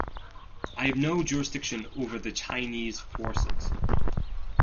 I have no jurisdiction over the Chinese forces.